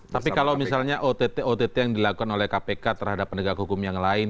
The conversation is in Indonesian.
tapi kalau misalnya ott ott yang dilakukan oleh kpk terhadap penegak hukum yang lain